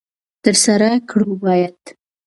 تر سره کړو باید.